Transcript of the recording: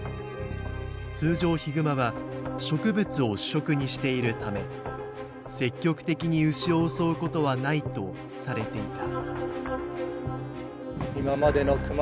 通常ヒグマは植物を主食にしているため積極的に牛を襲うことはないとされていた。